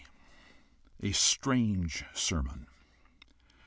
A STRANGE SERMON.